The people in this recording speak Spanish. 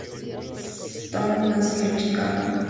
Storm nació en Chicago, Illinois.